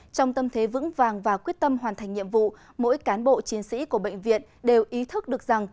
trong tâm thế vững vàng và quyết tâm hoàn thành nhiệm vụ mỗi cán bộ chiến sĩ của bệnh viện đều ý thức được rằng